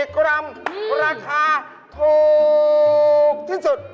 กรัมราคาถูกที่สุด